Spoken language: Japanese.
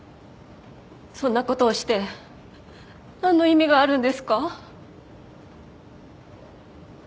そんなことをして何の意味があるんですか？